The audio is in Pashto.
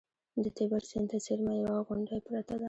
د تیبر سیند ته څېرمه یوه غونډۍ پرته ده